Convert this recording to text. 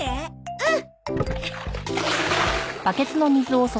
うん。